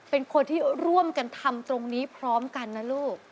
เป็นคนที่ร่วมกันทำตรงนี้พร้อมกันนะลูก